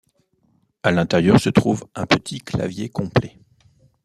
À l'intérieur se trouve un petit clavier complet.